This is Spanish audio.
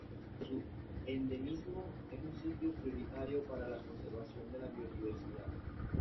Debido a su endemismo, es un sitio prioritario para la conservación de la biodiversidad.